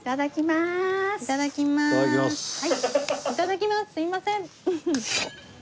すいません。